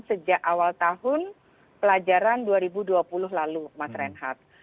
sejak awal tahun pelajaran dua ribu dua puluh lalu mas reinhardt